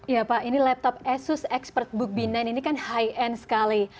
ya pak ini laptop asus expertbook b sembilan ini kan high end sekali